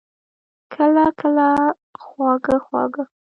کله، کله خواږه، خواږه